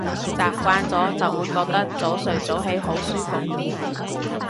習慣咗就會覺得早睡早起好舒服